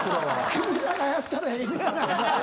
君らがやったらええやないかい！